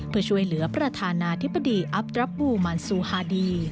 เพื่อช่วยเหลือประธานาธิบดีอัพดรับบูมันซูฮาดี